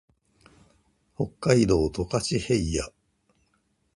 北海道十勝平野